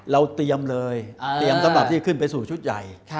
เราเตรียมเลยเตรียมสำหรับที่ขึ้นไปสู่ชุดใหญ่